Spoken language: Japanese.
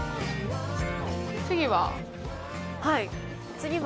次は？